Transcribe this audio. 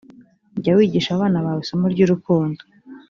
jya wigisha abana bawe isomo ry’urukundo